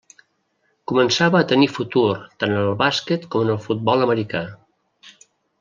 Començava a tenir futur tant en el bàsquet com en el futbol americà.